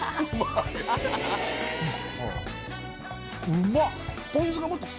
うまっ！